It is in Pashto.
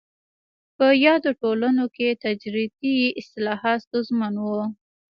په یادو ټولنو کې تدریجي اصلاحات ستونزمن وو.